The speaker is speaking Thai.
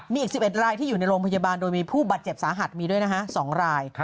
มีอีก๑๑รายที่อยู่ในโรงพยาบาลโดยมีผู้บาดเจ็บสาหัสมีด้วยนะฮะ๒ราย